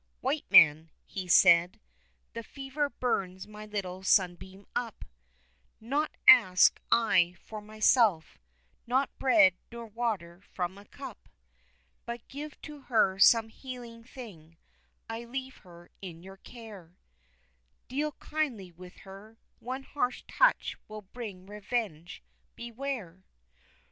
"White man," he said, "the fever burns my little sunbeam up, Naught ask I for myself, not bread nor water from a cup, But give to her some healing thing, I leave her in your care, Deal kindly with her, one harsh touch will bring revenge beware!"